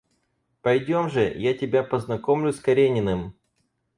Пойдем же, я тебя познакомлю с Карениным.